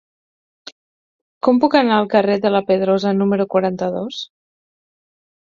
Com puc anar al carrer de la Pedrosa número quaranta-dos?